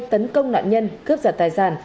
tấn công nạn nhân cướp giật tài sản